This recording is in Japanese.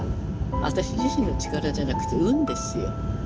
私自身の力じゃなくて運ですよ。